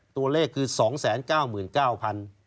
ตัวเลขคือ๒๙๙๐๐๐นะครับ